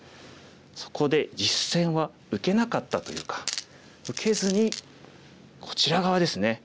そこで実戦は受けなかったというか受けずにこちら側ですね。